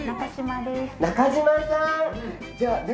中島さん。